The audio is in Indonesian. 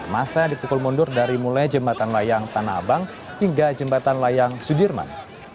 masa dipukul mundur dari mulai jembatan layang tanah abang hingga jembatan layang sudirman